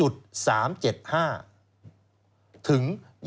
ถึง